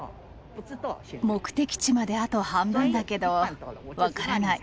目的地まであと半分だけど分からない。